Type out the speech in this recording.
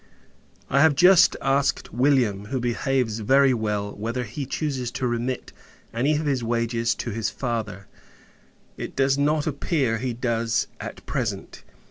I have just asked William, who behaves very well, whether he chooses to remit any of his wages to his father. It does not appear, he does, at present.